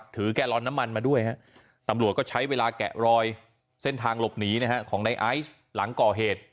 แกลลอนน้ำมันมาด้วยตำรวจก็ใช้เวลาแกะรอยเส้นทางหลบหนีของในไอซ์หลังก่อเหตุ